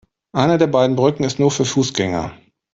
Eine der beiden Brücken ist nur für Fußgänger.